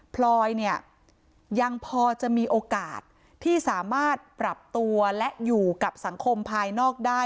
พลอยเนี่ยยังพอจะมีโอกาสที่สามารถปรับตัวและอยู่กับสังคมภายนอกได้